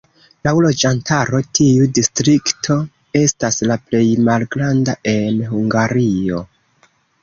Laŭ loĝantaro tiu distrikto estas la plej malgranda en Hungario.